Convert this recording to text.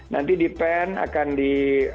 nanti di pen akan di